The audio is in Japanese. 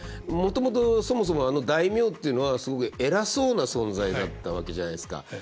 もともとそもそもあの大名っていうのはすごく偉そうな存在だったわけじゃないですか。